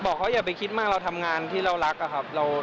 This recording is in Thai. บอกเขาอย่าไปคิดมากเราทำงานที่เรารักอะครับ